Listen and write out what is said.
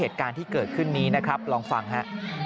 ที่เกิดขึ้นนี้นะครับลองฟังค่ะ